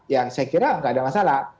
ya saya kira nggak ada masalah